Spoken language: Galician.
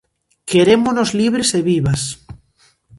Querémonos libres e vivas!